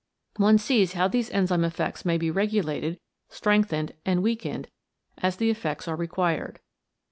One sees how these enzyme effects may be .regulated, strengthened, and weakened, as the effects are required.